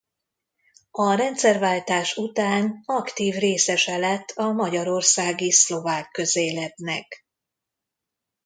A rendszerváltás után aktív részese lett a magyarországi szlovák közéletnek.